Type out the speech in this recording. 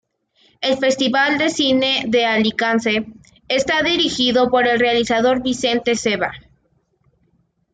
El Festival de cine de Alicante está dirigido por el realizador Vicente Seva.